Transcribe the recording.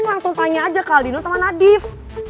langsung tanya aja ke aldino sama nadif